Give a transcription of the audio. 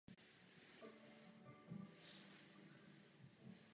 Tento potomek získává od svého rodiče příslušnost k etnické skupině a způsob chování.